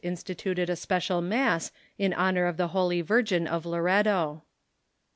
instituted a special mass in honor of the Holy Virgin of Loretto.